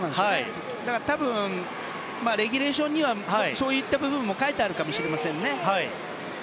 多分レギュレーションにはそういった部分も書いてあるのかもしれませんね。